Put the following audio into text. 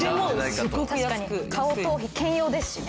確かに顔頭皮兼用ですしね。